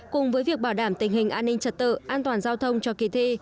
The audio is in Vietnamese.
cùng với việc bảo đảm tình hình an ninh trật tự an toàn giao thông cho kỳ thi